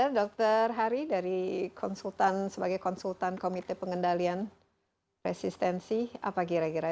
anda dr hari sebagai konsultan komite pengendalian resistensi apa kira kira